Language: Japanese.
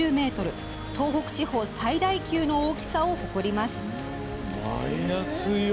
東北地方最大級の大きさを誇ります。